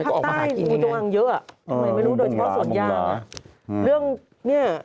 เออภาคใต้งูจงางเยอะอ่ะไม่รู้โดยเฉพาะส่วนยางเนี่ยเรื่องเนี่ย